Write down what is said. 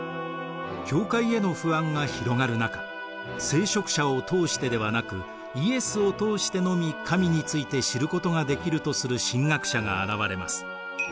教会への不安が広がる中聖職者を通してではなくイエスを通してのみ神について知ることができるとする神学者が現れます。